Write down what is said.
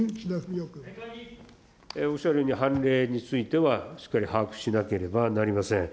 おっしゃるように、判例については、しっかり把握しなければなりません。